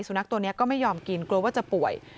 สุนัขตัวนี้ก็ไม่ยอมกินกลัวว่าจะป่วย